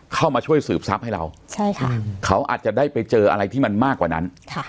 เข้ามาช่วยสืบทรัพย์ให้เราเขาอาจจะได้ไปเจออะไรที่มันมากกว่านั้น